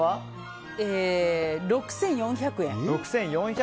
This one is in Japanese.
６４００円。